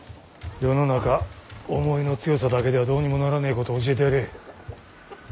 世の中思いの強さだけではどうにもならねえことを教えてやれ。